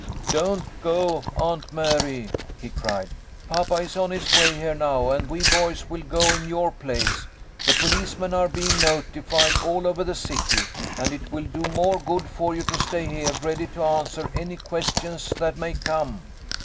" Don't go, Aunt Mary," he cried. " Papa is on his way here now, and we boys will go in your place. The policemen are being notified all over the city, and it will do more good for you to stay here ready to answer any questions that may come."